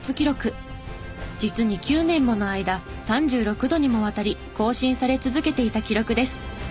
実に９年もの間３６度にもわたり更新され続けていた記録です。